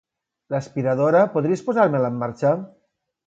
L'aspiradora, podries posar-me-la en marxa?